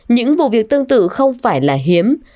những vụ việc tương tự không phải là hiếm